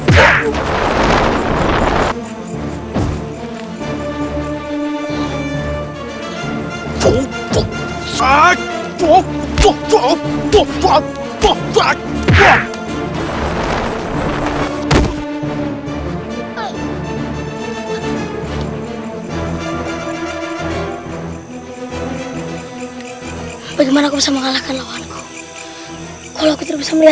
rasakan pembalasan kebocah kecil